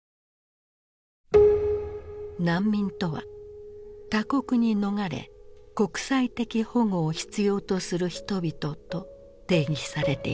難民とは「他国に逃れ国際的保護を必要とする人々」と定義されていた。